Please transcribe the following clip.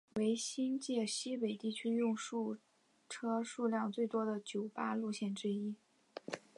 为新界西北地区用车数量最多的九巴路线之一。